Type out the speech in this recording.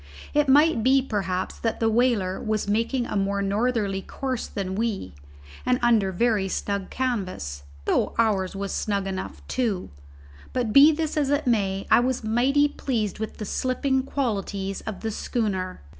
It might be perhaps that the whaler was making a more northerly course than we, and under very snug canvas, though ours was snug enough, too; but be this as it may, I was mighty pleased with the slipping qualities of the schooner.